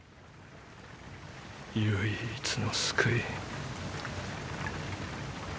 唯一の救い。